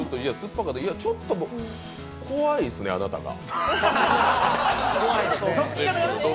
ちょっと怖いですね、あなたが。